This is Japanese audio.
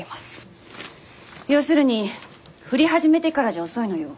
要するに降り始めてからじゃ遅いのよ。